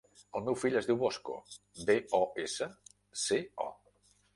El meu fill es diu Bosco: be, o, essa, ce, o.